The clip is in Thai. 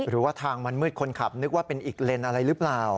หรือว่าทางมันมืดคนขับนึกว่าเป็นอีกเลนอะไรหรือเปล่า